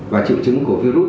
và triệu chứng của virus